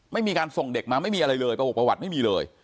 ไม่มีการส่งเด็กมาไม่มีอะไรเลยประวัติไม่มีเลย